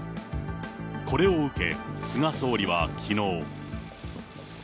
これを受け、菅総理はきのう。